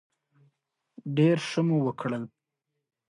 لکه اره، رنده، سکنه، چوسار، سوان او ګونیا مو زده کړي وو.